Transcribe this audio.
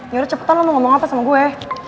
nyuruh cepetan lo mau ngomong apa sama gue